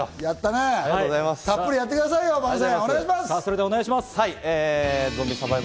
たっぷりやってくださいよ、番宣！